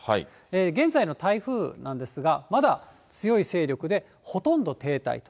現在の台風なんですが、まだ強い勢力でほとんど停滞と。